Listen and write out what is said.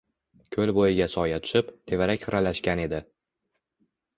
koʼl boʼyiga soya tushib, tevarak xiralashgan edi.